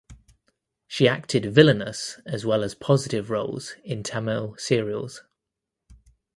She acted villainous as well as positive roles in Tamil serials.